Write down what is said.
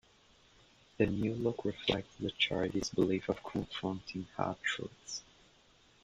The new look reflects the charity's belief of confronting 'hard truths'.